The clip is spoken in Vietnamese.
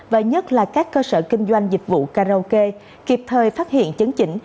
và nhất là các cơ sở kinh doanh dịch vụ karaoke kịp thời phát hiện chấn chỉnh